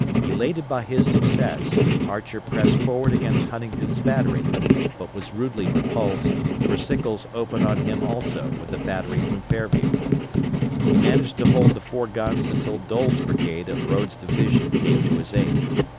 Elated by his success, Archer pressed forward against Huntington's battery, but was rudely repulsed; for Sickles opened on him also with a battery from Fairview. He managed to hold the four guns until Doles' brigade of Rodes' division came to his aid.